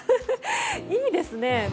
いいですね。